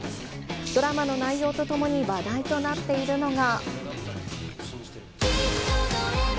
ドラマの内容とともに話題となっているのが。